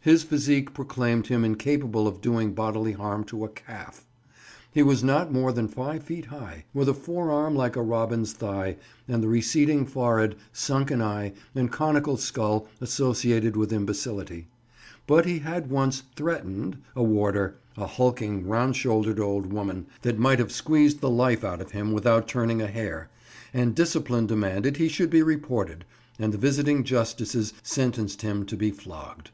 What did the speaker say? His physique proclaimed him incapable of doing bodily harm to a calf. He was not more than five feet high, with a fore arm like a robin's thigh, and the receding forehead, sunken eye, and conical skull associated with imbecility; but he had once "threatened" a warder, a hulking, round shouldered old woman, that might have squeezed the life out of him without turning a hair, and discipline demanded he should be reported, and the visiting justices sentenced him to be flogged.